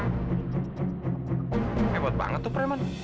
hebat banget tuh preman